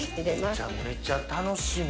めちゃめちゃ楽しみ。